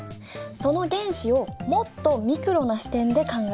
その原子をもっとミクロな視点で考えると？